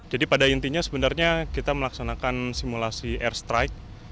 jadi pada intinya sebenarnya kita melaksanakan simulasi air strike